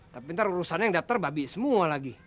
tapi ntar urusannya yang daftar babi semua lagi